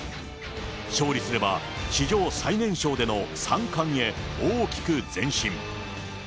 勝利すれば、史上最年少での三冠へ、大きく前進。